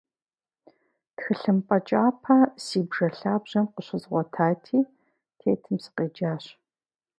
Тхылъымпӏэ кӏапэ си бжэ лъабжьэм къыщызгъуэтати, тетым сыкъеджащ.